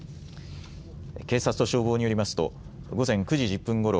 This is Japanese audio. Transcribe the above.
警察と消防によりますと午前９時１０分ごろ